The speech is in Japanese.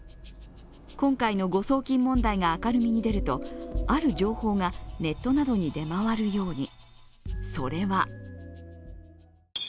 今回の誤送金問題が明るみに出ると、ある情報がネットなどに出回るように。